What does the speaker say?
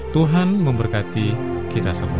tuhan memberkati kita semua